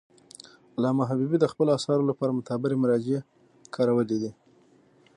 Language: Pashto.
علامه حبیبي د خپلو اثارو لپاره معتبري مراجع کارولي دي.